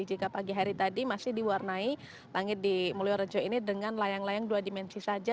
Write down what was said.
jika pagi hari tadi masih diwarnai langit di mulyorejo ini dengan layang layang dua dimensi saja